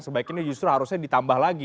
sebaiknya justru harusnya ditambah lagi